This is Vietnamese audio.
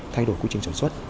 thay đổi quy trình sản xuất